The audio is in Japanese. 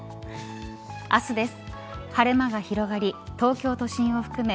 明日です。